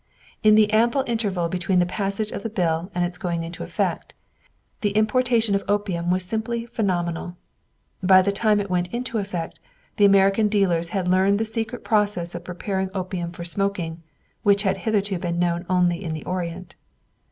In the ample interval between the passage of the bill and its going into effect the importation of opium was simply phenomenal. By the time it went into effect the American dealers had learned the secret process of preparing opium for smoking, which had hitherto been known only in the Orient.